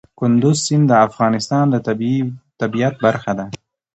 کندز سیند د افغانستان د طبیعت برخه ده.